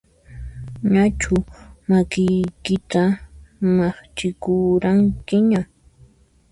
Ñachu makiykita maqchikuranqiña?